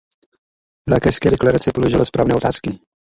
Laekenská deklarace položila správné otázky.